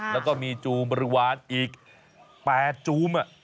แล้วก็มีจูมบริวารอีก๘จูม